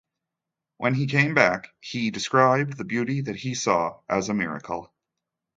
When he came back he described the beauty that he saw as a miracle.